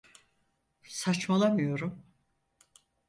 Saçmalamıyorum.